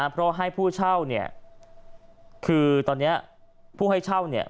เพราะให้ผู้เช่าเนี่ยคือตอนนี้ผู้ให้เช่าเนี่ย